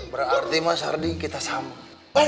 berarti mas ardi kita sama